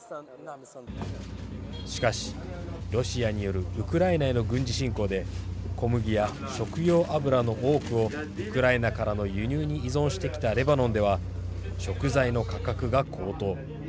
しかし、ロシアによるウクライナへの軍事侵攻で小麦や食用油の多くをウクライナからの輸入に依存してきたレバノンでは食材の価格が高騰。